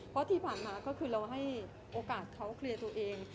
เพราะที่ผ่านมาก็คือเราให้โอกาสเขาเคลียร์ตัวเอง